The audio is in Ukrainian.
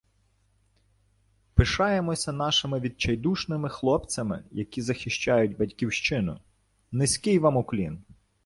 Пишаємося нашими відчайдушними хлопцями, які захищають Батьківщину. Низький вам уклін!